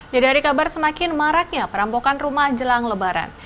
jadi dari kabar semakin maraknya perampokan rumah jelang lebaran